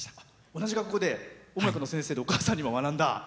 同じ学校で音楽の先生でお母様に学んだ。